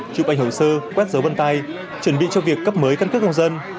chụp ảnh hữu sơ quét dấu bân tay chuẩn bị cho việc cấp mới căn cước công dân